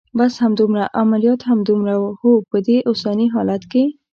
بس همدومره؟ عملیات همدومره و؟ هو، په دې اوسني حالت کې.